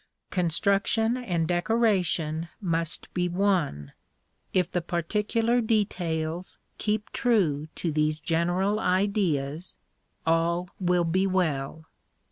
Construction and decoration must be one. If the particular details keep true to these general ideas, all will be well.